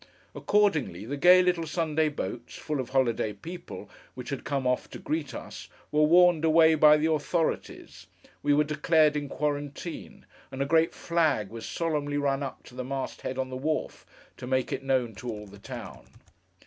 Accordingly, the gay little Sunday boats, full of holiday people, which had come off to greet us, were warned away by the authorities; we were declared in quarantine; and a great flag was solemnly run up to the mast head on the wharf, to make it known to all the town.